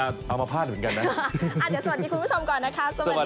สวัสดีครับ